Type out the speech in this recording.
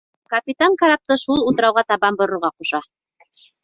Капитан карапты шул утрауға табан борорға ҡуша.